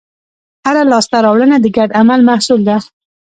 هره لاستهراوړنه د ګډ عمل محصول ده.